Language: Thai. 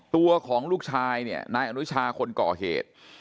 ตัวของลูกชายเนี่ยนายอนุชาคนก่อเหตุ